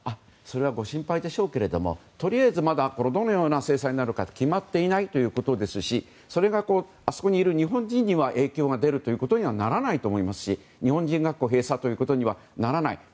ご心配でしょうがとりあえずまだどのような制裁になるかは決まっていないことですしそれが、あそこにいる日本人に影響が出るということにはならないと思いますし日本人学校閉鎖にもならない。